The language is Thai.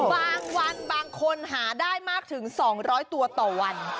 บางวันบางคนหาได้มากถึง๒๐๐ตัวต่อวัน